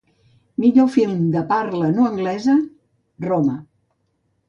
Millor film de parla no anglesa: ‘Roma’